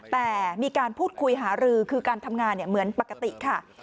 แต่มีการพูดคุยหารือคือการทำงานเหมือนปกติค่ะ